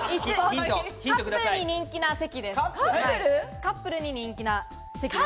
カップルに人気な席です。